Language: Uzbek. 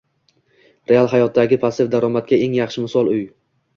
Real hayotdagi passiv daromadga eng yaxshi misol uy